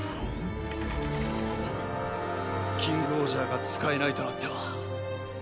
キングオージャーが使えないとあってはもはや。